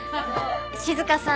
静さん